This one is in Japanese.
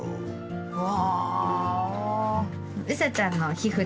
うわ！